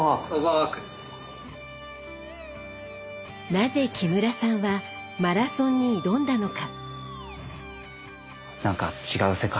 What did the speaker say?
なぜ木村さんはマラソンに挑んだのか？